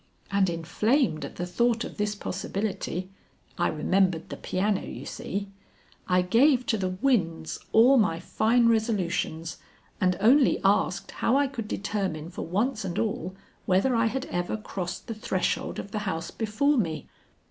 And inflamed at the thought of this possibility I remembered the piano, you see I gave to the winds all my fine resolutions and only asked how I could determine for once and all, whether I had ever crossed the threshold of the house before me.